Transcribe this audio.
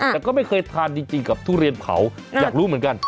แต่ก็ไม่เคยทานจริงกับทุเรียนเผาอยากรู้เหมือนกัน